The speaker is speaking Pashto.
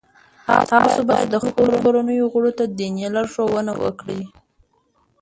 تاسو باید د خپلو کورنیو غړو ته دیني لارښوونه وکړئ.